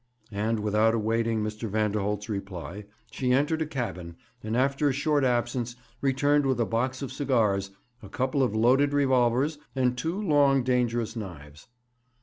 And, without awaiting Mr. Vanderholt's reply, she entered a cabin, and, after a short absence, returned with a box of cigars, a couple of loaded revolvers, and two long, dangerous knives.